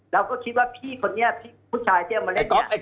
เราก็คิดว่าพี่คนนี้พี่ผู้ชายเเตียมาเล่นเเตีย